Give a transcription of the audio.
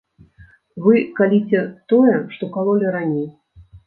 Вы каліце тое, што калолі раней!